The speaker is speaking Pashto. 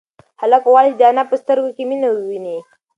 هلک غواړي چې د انا په سترگو کې مینه وویني.